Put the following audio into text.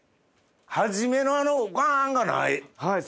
初めのあのウワンがない。